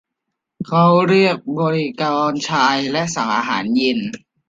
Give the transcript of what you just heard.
เขาเรียกบริกรชายและสั่งอาหารเย็น